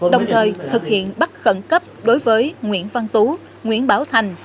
đồng thời thực hiện bắt khẩn cấp đối với nguyễn văn tú nguyễn bảo thành